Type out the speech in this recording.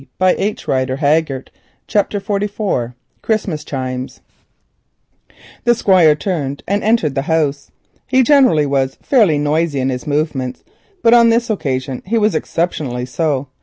And the honest fellow went. CHAPTER XLIV. CHRISTMAS CHIMES The Squire turned and entered the house. He generally was fairly noisy in his movements, but on this occasion he was exceptionally so.